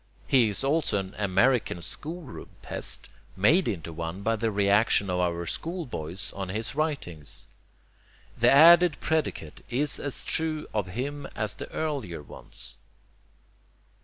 He is also an American school room pest, made into one by the reaction of our schoolboys on his writings. The added predicate is as true of him as the earlier ones.